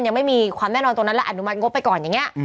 ยังไม่มีความแน่นอนตรงนั้นและอนุมัติงบไปก่อนอย่างนี้